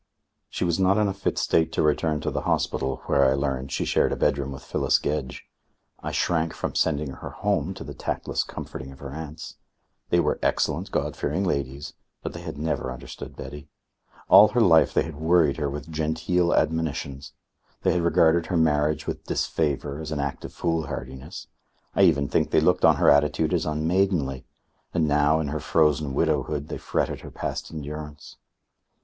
She was not in a fit state to return to the hospital, where, I learned, she shared a bedroom with Phyllis Gedge. I shrank from sending her home to the tactless comforting of her aunts. They were excellent, God fearing ladies, but they had never understood Betty. All her life they had worried her with genteel admonitions. They had regarded her marriage with disfavour, as an act of foolhardiness I even think they looked on her attitude as unmaidenly; and now in her frozen widowhood they fretted her past endurance.